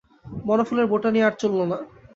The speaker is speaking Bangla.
বনফুলের বটানি আর চলল না।